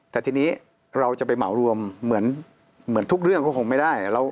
แต่ทีนี้เราจะไปเหมารวมเหมือนทุกเรื่องก็คงไม่ได้